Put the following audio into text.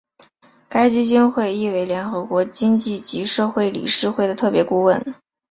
该基金会亦为联合国经济及社会理事会的特别顾问。